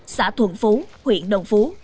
xã thuận phú huyện đồng phú